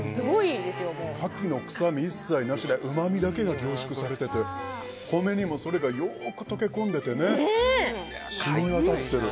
牡蠣の臭み一切なしでうまみだけが凝縮されてて米にもよく溶け込んでて染みわたっている。